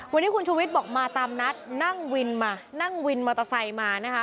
วันนี้คุณชูวิทย์บอกมาตามนัดนั่งวินมานั่งวินมอเตอร์ไซค์มานะคะ